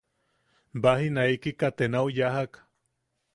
Baji, naikika te nau yajak.